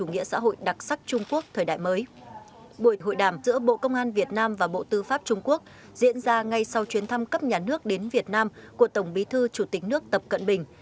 hội đồng tư pháp trung quốc diễn ra ngay sau chuyến thăm cấp nhà nước đến việt nam của tổng bí thư chủ tịch nước tập cận bình